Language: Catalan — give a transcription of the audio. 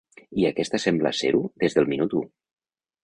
I aquesta sembla ser-ho des del minut u.